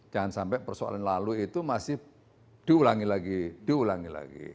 jangan sampai persoalan lalu itu masih diulangi lagi